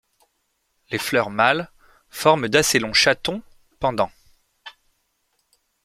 Les fleurs mâles forment d'assez longs chatons pendants.